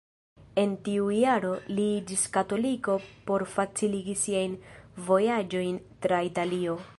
En tiu jaro, li iĝis katoliko por faciligi siajn vojaĝojn tra Italio.